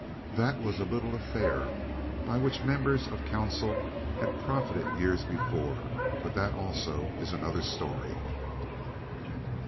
That was a little affair by which members of council had profited years before; but that also is another story.